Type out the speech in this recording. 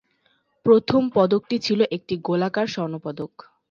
প্রথম পদকটি ছিল একটি গোলাকার স্বর্ণপদক।